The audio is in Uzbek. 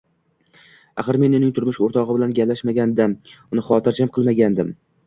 Axir men uning turmush o`rtog`i bilan gaplashgandim, uni xotirjam qilgandim